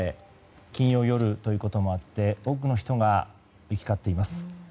金曜夜ということもあって多くの人が行きかっています。